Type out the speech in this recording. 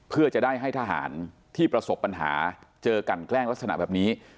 เพื่อจะได้ให้ทหารที่ประสบปัญหาเจอกันแกล้งลักษณะแบบนี้